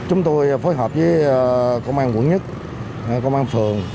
chúng tôi phối hợp với công an quận một công an phường